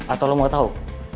atau lo mau tau